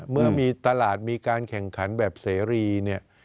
เมื่อมีตลาดมีการแข่งขันแบบเสรีเนี่ย